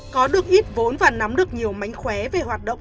có được ít vốn và nắm được nhiều mánh khóe về hoạt động